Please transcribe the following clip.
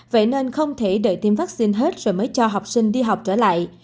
vậy nên không thể đợi tiêm vaccine hết rồi mới cho học sinh đi học trở lại